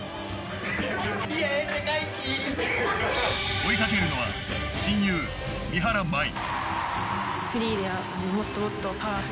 追いかけるのは親友、三原舞依。